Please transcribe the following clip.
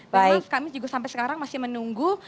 dan kami sampai sekarang masih menunggu